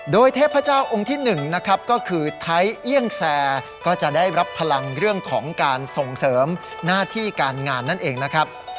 โดยเทพเจ้าองค์ที่๑นะครับก็คือไทยเอี่ยงแซก็จะได้รับพลังเรื่องของการส่งเสริมหน้าที่การงานนั่นเองนะครับ